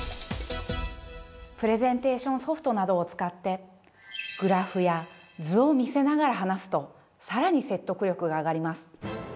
プレゼンテーションソフトなどを使ってグラフや図を見せながら話すとさらに説得力が上がります。